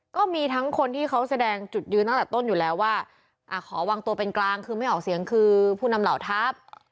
ก็มีทั้งคนที่เขาแสดงจุดยืนตั้งแต่ต้นอยู่แล้วว่าขอวางตัวเป็นกลางคือไม่ออกเสียงคือผู้นำเหล่าทัพ